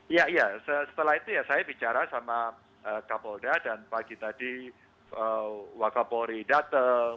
iya setelah itu saya bicara sama kapolda dan pagi tadi wak kapolri datang